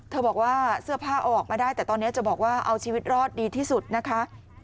บอกว่าเสื้อผ้าเอาออกมาได้แต่ตอนนี้จะบอกว่าเอาชีวิตรอดดีที่สุดนะคะ